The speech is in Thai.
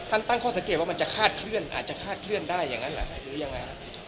ตั้งข้อสังเกตว่ามันจะคาดเคลื่อนอาจจะคาดเคลื่อนได้อย่างนั้นแหละหรือยังไงฮะ